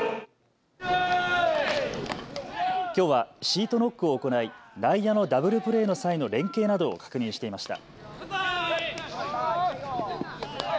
きょうはシートノックを行い内野のダブルプレーの際の連係などを確認していました。